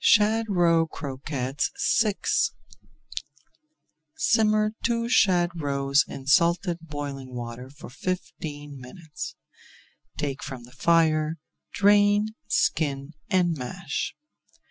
SHAD ROE CROQUETTES VI Simmer two shad roes in salted boiling water for fifteen minutes. Take from the fire, drain, skin, and mash.